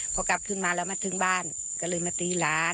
พอกลับขึ้นมาแล้วมาถึงบ้านก็เลยมาตีหลาน